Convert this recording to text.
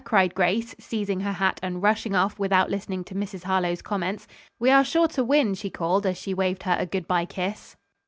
cried Grace, seizing her hat and rushing off without listening to Mrs. Harlowe's comments. "We are sure to win," she called as she waved her a good bye kiss.